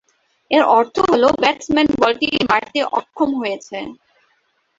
এর অর্থ হল ব্যাটসম্যান বলটি মারতে অক্ষম হয়েছে।